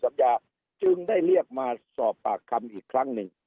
สัญญาจึงได้เลี่ยกมาสอบปากคำอีกครั้งนึง